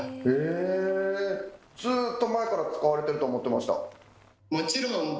ずっと前から使われてると思ってました。